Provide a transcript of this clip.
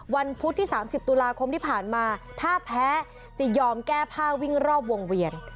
พุธที่๓๐ตุลาคมที่ผ่านมาถ้าแพ้จะยอมแก้ผ้าวิ่งรอบวงเวียน